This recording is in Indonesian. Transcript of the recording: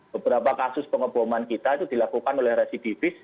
beberapa kasus pengeboman kita itu dilakukan oleh residivis